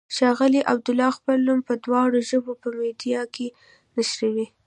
ښاغلی عبدالله خپل نوم په دواړو ژبو په میډیا کې نشروي.